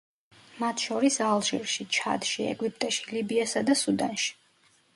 მათ შორის ალჟირში, ჩადში, ეგვიპტეში, ლიბიასა და სუდანში.